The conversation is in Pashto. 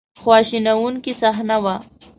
خواشینونکې صحنه وه.